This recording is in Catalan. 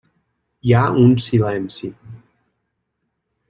Hi ha un silenci.